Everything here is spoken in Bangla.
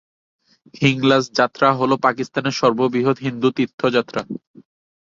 হিংলাজ যাত্রা হল পাকিস্তানের সর্ববৃহৎ হিন্দু তীর্থযাত্রা।